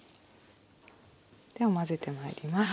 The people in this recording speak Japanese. では混ぜてまいります。